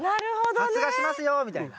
発芽しますよみたいな。